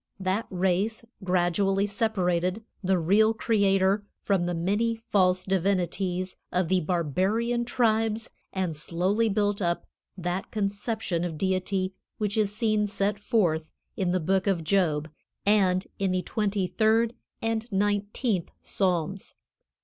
That race gradually separated the real Creator from the many false divinities of the barbarian tribes and slowly built up that conception of Deity which is seen set forth in the Book of Job and in the twenty third and nineteenth Psalms.